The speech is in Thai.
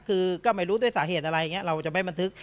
คือก็ไม่รู้ด้วยสาเหตุอะไรอย่างนี้เราจะไม่บันทึก